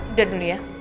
udah dulu ya